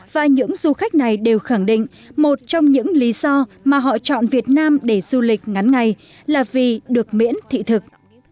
và những du khách này đều khẳng định một trong những lý do mà họ chọn việt nam để du lịch ngắn ngày là vì được miễn thị thực